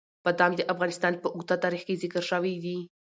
بادام د افغانستان په اوږده تاریخ کې ذکر شوي دي.